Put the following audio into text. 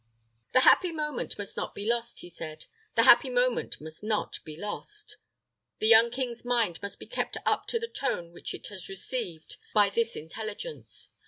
"The happy moment must not be lost," he said. "The happy moment must not be lost. The young king's mind must be kept up to the tone which it has received by this intelligence.